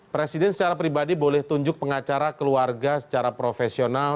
presiden secara pribadi boleh tunjuk pengacara keluarga secara profesional